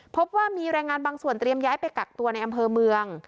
พบว่ามีแรงงานบางส่วนเตรียมย้ายไปกักตัวในอำเภอเมือง